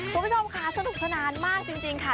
คุณผู้ชมค่ะสนุกสนานมากจริงค่ะ